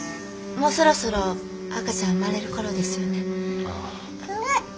もうそろそろ赤ちゃん生まれる頃ですよね。